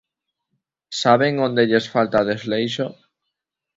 ¿Saben onde lles falta desleixo?